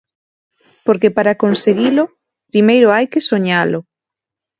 Porque para conseguilo, primeiro hai que soñalo.